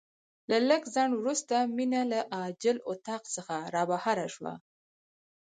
له لږ ځنډ وروسته مينه له عاجل اتاق څخه رابهر شوه.